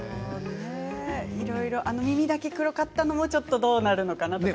耳だけ黒かったのもちょっとどうなるのかなとか。